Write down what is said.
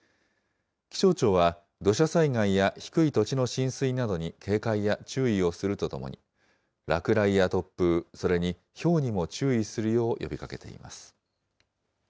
気象庁は、土砂災害や低い土地の浸水などに警戒や注意をするとともに、落雷や突風、それにひょうにも注意するよう呼びかけています。